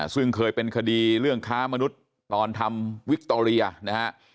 ซึ่งเคยเป็นคดีเรื่องค้ามนุษย์ตอนทำวิคโตเรียนะฮะ